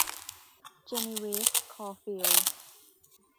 เจนีวีฟ คอล์ฟิลด์